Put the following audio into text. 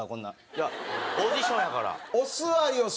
いやオーディションやから。